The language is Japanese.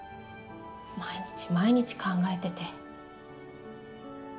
毎日毎日考えてて。